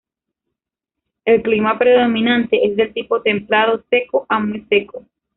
El clima predominante es del tipo templado seco a muy seco.